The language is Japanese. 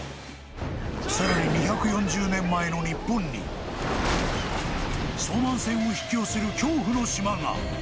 更に、２４０年前の日本に遭難船を引き寄せる恐怖の島が。